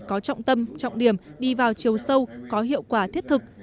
có trọng tâm trọng điểm đi vào chiều sâu có hiệu quả thiết thực